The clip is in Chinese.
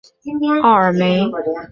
奥尔梅。